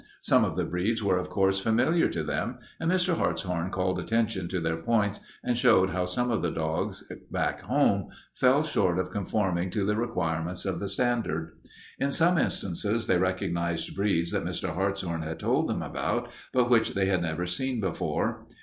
Some of the breeds were of course familiar to them, and Mr. Hartshorn called attention to their points and showed how some of the dogs back home fell short of conforming to the requirements of the standard. In some instances they recognized breeds that Mr. Hartshorn had told them about but which they had never seen before.